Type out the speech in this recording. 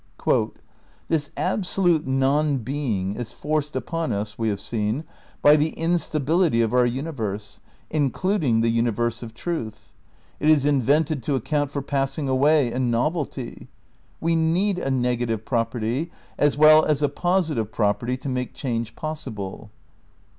"This absolute non being is forced upon us, we have seen, by the instability of our universe, including the universe of truth; ■ it is invented to account for passing away and novelty ... we need a negative property, as well as a positive property to make change possible."